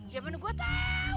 siapa nih gue tahu